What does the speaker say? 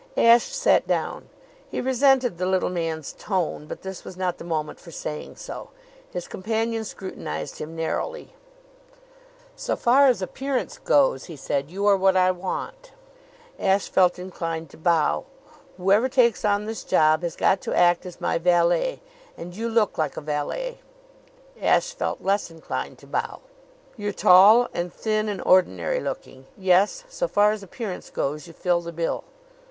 Ashe sat down. He resented the little man's tone, but this was not the moment for saying so. His companion scrutinized him narrowly. "So far as appearance goes," he said, "you are what I want." Ashe felt inclined to bow. "Whoever takes on this job has got to act as my valet, and you look like a valet." Ashe felt less inclined to bow. "You're tall and thin and ordinary looking. Yes; so far as appearance goes, you fill the bill."